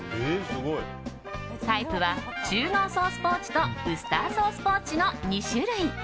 タイプは中濃ソースポーチとウスターソースポーチの２種類。